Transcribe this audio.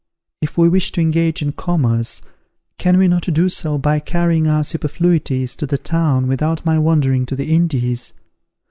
If we wish to engage in commerce, can we not do so by carrying our superfluities to the town without my wandering to the Indies?